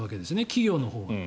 企業のほうが。